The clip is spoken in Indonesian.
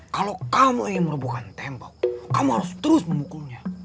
kalau kamu ingin merubuhkan tembak kamu harus terus memukulnya